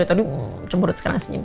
tadi cemburu sekarang senyum